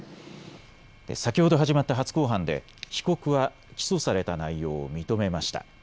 先ほど始まった初公判で被告は起訴された内容を認めました。